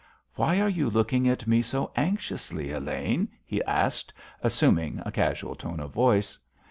"Why are you looking at me so anxiously, Elaine?" he asked, assuming a casual tone of voice.